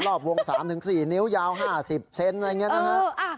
รอบวงสามถึงสี่นิ้วยาวห้าสิบเซนต์อะไรอย่างเงี้ยนะฮะอ้า